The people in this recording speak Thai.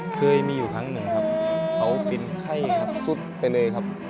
เคยมีอยู่ครั้งหนึ่งครับเขาเป็นไข้ครับสุดไปเลยครับ